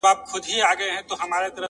راڅخه زړه وړي رانه ساه وړي څوك!